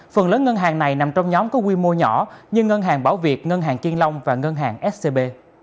phần lớn ngân hàng này nằm trong nhóm có quy mô nhỏ như ngân hàng bảo việt ngân hàng kiên long và ngân hàng scb